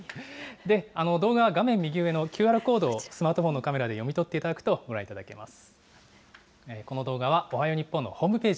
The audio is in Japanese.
で、動画は画面右上のＱＲコードをスマートフォンのカメラで読み取っていただくとご覧いただけます。